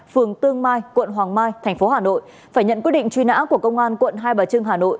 phường tương mai quận hoàng mai thành phố hà nội phải nhận quyết định truy nã của công an quận hai bà trưng hà nội